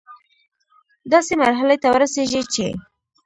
داسي مرحلې ته ورسيږي چي